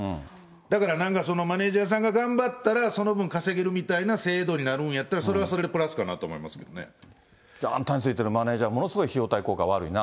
だからなんかそのマネージャーさんが頑張ったら、その分稼げるみたいな制度になるんやったら、それはそれでプラスかなと思いますあんたについてるマネージャー、ものすごい費用対効果悪いな。